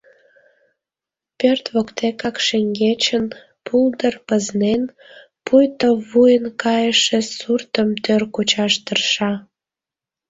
Пӧрт воктекак шеҥгечын пулдыр пызнен, пуйто вуйын кайыше суртым тӧр кучаш тырша.